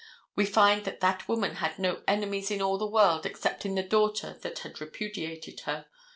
We find that that woman had no enemies in all the world excepting the daughter that had repudiated her.